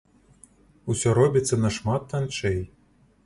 Усё робіцца нашмат танчэй.